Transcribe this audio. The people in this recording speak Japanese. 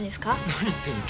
何言ってんの？